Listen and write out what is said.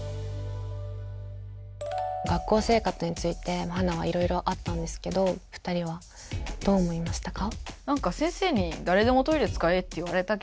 学校生活についてハナはいろいろあったんですけど２人はどう思いましたか？